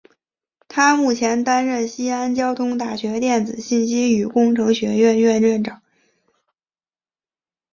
他目前担任西安交通大学电子信息与工程学院院长。